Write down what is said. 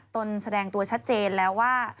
แสดงตัวชัดเจนแล้วว่า